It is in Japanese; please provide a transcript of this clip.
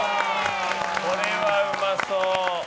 これはうまそう！